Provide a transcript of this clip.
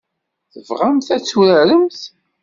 Tebɣamt ad tt-turaremt?